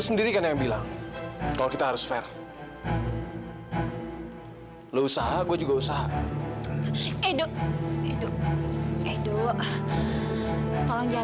sendiri kan yang bilang kalau kita harus fair lu usaha gue juga usaha edo edo edo tolong jangan